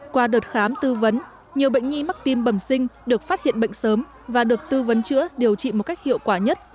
qua đợt khám tư vấn nhiều bệnh nhi mắc tim bẩm sinh được phát hiện bệnh sớm và được tư vấn chữa điều trị một cách hiệu quả nhất